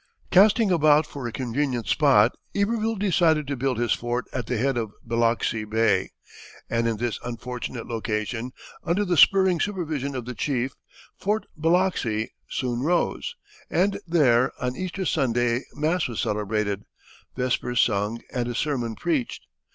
Casting about for a convenient spot Iberville decided to build his fort at the head of Biloxi Bay, and in this unfortunate location, under the spurring supervision of the chief, Fort Biloxi soon rose, and there on Easter Sunday mass was celebrated, vespers sung, and a sermon preached.